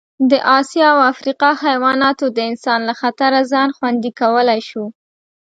د اسیا او افریقا حیواناتو د انسان له خطره ځان خوندي کولی شو.